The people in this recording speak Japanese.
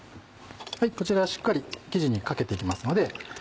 こちらしっかり生地にかけていきますので。